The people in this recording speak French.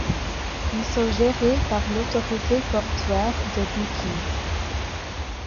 Ils sont gérés par l'autorité portuaire de Buckie.